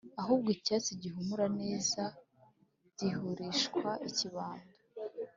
ahubwo icyatsi gihumura neza gihurishwa ikibando